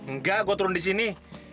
enggak gue turun di sini